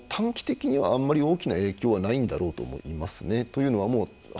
短期的にはあまり大きな影響はないんだろうと思います。